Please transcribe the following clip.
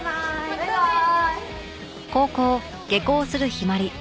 バイバイ！